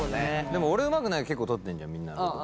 でも俺うまくないけど結構撮ってんじゃんみんなのこと。